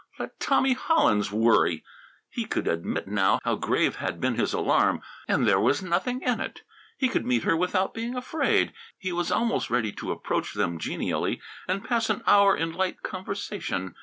Let Tommy Hollins worry! He could admit, now, how grave had been his alarm. And there was nothing in it. He could meet her without being afraid. He was almost ready to approach them genially and pass an hour in light conversation.